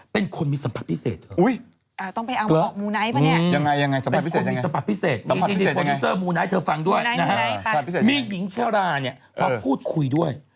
เป็นคนมีสัมผัสพิเศษเธอฟังด้วยมีหญิงชะลาเพราะพูดคุยด้วย